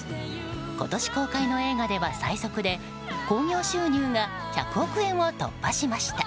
今年公開の映画では最速で興行収入が１００億円を突破しました。